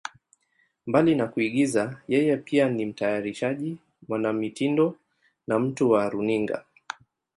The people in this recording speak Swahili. Mbali na kuigiza, yeye pia ni mtayarishaji, mwanamitindo na mtu wa runinga.